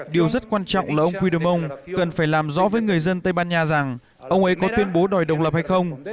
điều rất quan trọng là ông fidermon cần phải làm rõ với người dân tây ban nha rằng ông ấy có tuyên bố đòi độc lập hay không